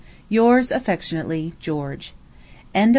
Yours affectionately, GEORGE. Letter 44.